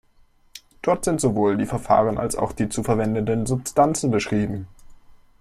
Dort sind sowohl die Verfahren als auch die zu verwendenden Substanzen beschrieben.